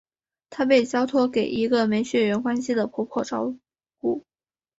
他被交托给一个没血缘关系的婆婆照顾。